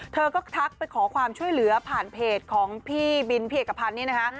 เธอก็ทักไปขอความช่วยเหลือผ่านเพจของพี่บินพี่เอกพันธ์นี่นะคะ